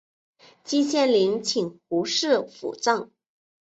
季羡林请胡适斧正。